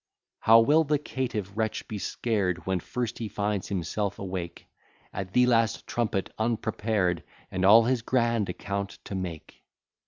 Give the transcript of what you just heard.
How will the caitiff wretch be scared, When first he finds himself awake At the last trumpet, unprepared, And all his grand account to make!